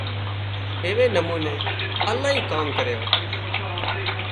ايوي نموني الاهي ڪام ڪريان